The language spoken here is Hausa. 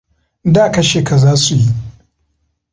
Da kashe ka zasu yi.